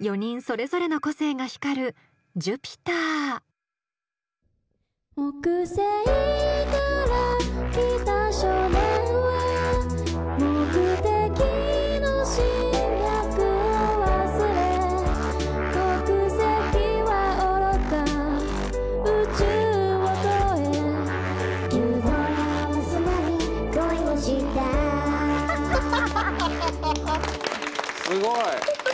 ４人それぞれの個性が光るすごい！